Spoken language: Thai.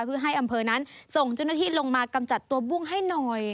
เพื่อให้อำเภอนั้นส่งเจ้าหน้าที่ลงมากำจัดตัวบุ้งให้หน่อย